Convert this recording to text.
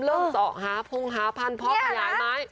เริ่มเศร้าหาพุงหาพันธุ์พ่อขยายไหม